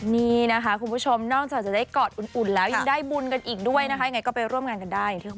นี่นะคะคุณผู้ชมนอกจากจะได้กอดอุ่นแล้วยังได้บุญกันอีกด้วยนะคะยังไงก็ไปร่วมงานกันได้อย่างที่บอก